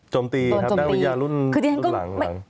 จมตีครับดาวิทยารุ่นหลัง